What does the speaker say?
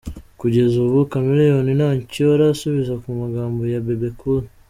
Kugeza ubu, Chameleone ntacyo arasubiza ku magambo ya Bebe Cool.